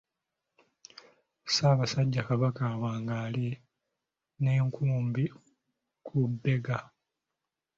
Ssaabasajja Kabaka Awangaale ng'Enkumbi ku bbega.